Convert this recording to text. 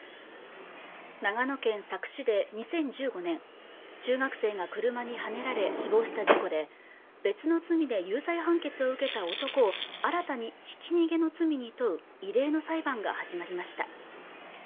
長野県佐久市で２０１５年中学生が車にはねられ死亡した事故で別の罪で有罪判決を受けた男を新たにひき逃げの罪に問う異例の裁判が始まりました